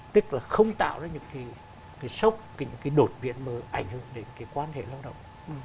tức là không tạo ra những cái sốc những cái đột viện mà ảnh hưởng đến cái quan hệ lao động